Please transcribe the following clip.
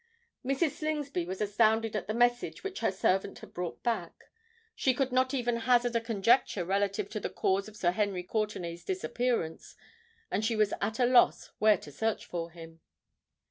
Mrs. Slingsby was astounded at the message which her servant had brought back. She could not even hazard a conjecture relative to the cause of Sir Henry Courtenay's disappearance; and she was at a loss where to search for him.